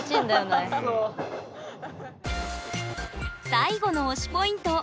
最後の推しポイント